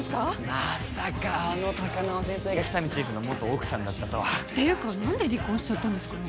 まさかあの高輪先生が喜多見チーフの元奥さんだったとはていうか何で離婚しちゃったんですかね？